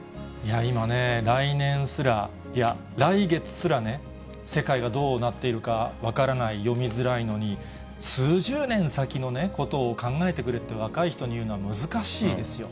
今ね、来年すら、いや、来月すらね、世界がどうなっているか分からない、読みづらいのに、数十年先のことを考えてくれって、若い人に言うのは難しいですよ。